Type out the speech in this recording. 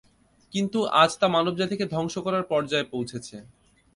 কিন্তু আজ তা মানবজাতিকে ধ্বংস করার পর্যায়ে পৌঁছেছে।